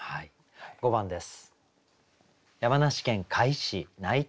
５番です。